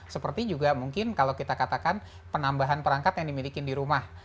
seperti juga mungkin kalau kita katakan penambahan perangkat yang dimiliki di rumah